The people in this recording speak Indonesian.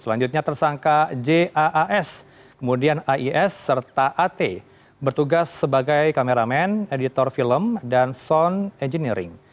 selanjutnya tersangka jaas kemudian ais serta at bertugas sebagai kameramen editor film dan sound engineering